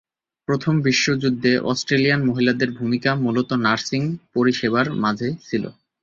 প্রথম বিশ্বযুদ্ধে অস্ট্রেলিয়ান মহিলাদের ভূমিকা মূলত নার্সিং পরিষেবার মাঝে ছিল।